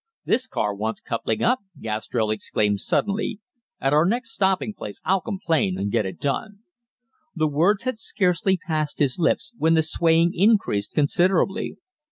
"This car wants coupling up," Gastrell exclaimed suddenly. "At our next stopping place I'll complain, and get it done." The words had scarcely passed his lips when the swaying increased considerably.